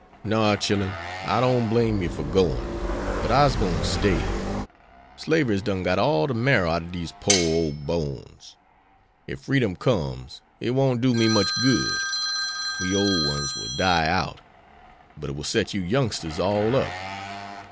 "No, chillen, I don't blame you for gwine; but I'se gwine to stay. Slavery's done got all de marrow out ob dese poor ole bones. Ef freedom comes it won't do me much good; we ole one's will die out, but it will set you youngsters all up."